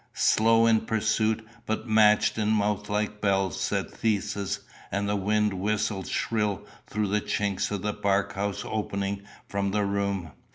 "Slow in pursuit, but matched in mouth like bells," said Theseus; and the wind whistled shrill through the chinks of the bark house opening from the room.